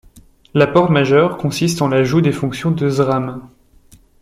L'apport majeur consiste en l'ajout des fonctions de zRam.